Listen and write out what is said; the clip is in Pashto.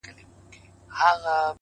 خود دي خالـونه پــه واوښتــل ـ